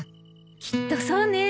きっとそうね。